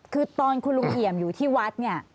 คือตอนคุณลุงเอี่ยมอยู่ที่วัดเนี่ย